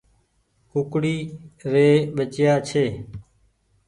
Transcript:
ڪوڪڙي ري ٻچيآ ڇي۔